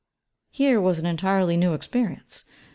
Here was an entirely new experience.